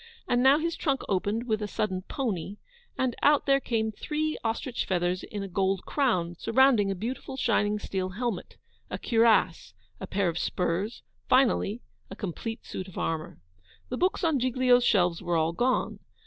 And now his trunk opened with a sudden pony, and out there came three ostrich feathers in a gold crown, surrounding a beautiful shining steel helmet, a cuirass, a pair of spurs, finally a complete suit of armour. The books on Giglio's shelves were all gone.